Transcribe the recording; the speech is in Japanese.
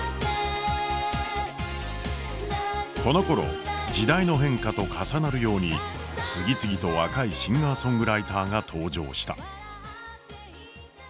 このころ時代の変化と重なるように次々と若いシンガーソングライターが登場した。